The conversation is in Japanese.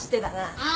ああ。